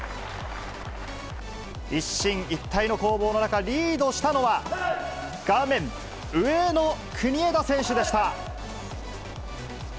一進一退の攻防の中、リードしたのは、画面上の国枝選手でした。